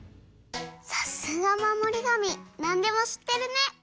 さすがまもりがみなんでもしってるね！